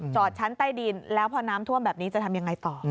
ชั้นใต้ดินแล้วพอน้ำท่วมแบบนี้จะทำยังไงต่อ